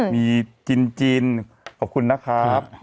มีจินขอบคุณนะครับ